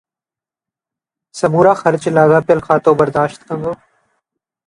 سمورا خرچ لاڳاپيل کاتو برداشت ڪندو